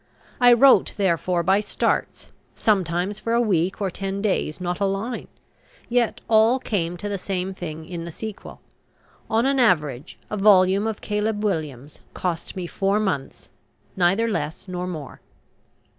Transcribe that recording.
I wrote therefore by starts; sometimes for a week or ten days not a line. Yet all came to the same thing in the sequel. On an average, a volume of "Caleb Williams" cost me four months, neither less nor more.